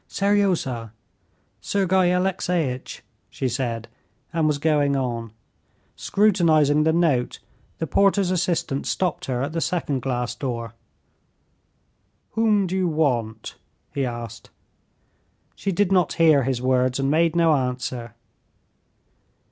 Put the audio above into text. "Seryozha—Sergey Alexeitch," she said, and was going on. Scrutinizing the note, the porter's assistant stopped her at the second glass door. "Whom do you want?" he asked. She did not hear his words and made no answer.